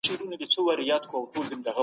مېلمه پالنه زموږ کلتور دی.